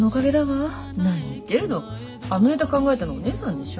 あのネタ考えたのお姉さんでしょ。